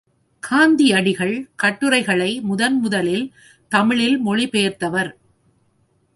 காந்தியடிகள் கட்டுரைகளை முதன் முதலில் தமிழில் மொழிபெயர்த்தவர்.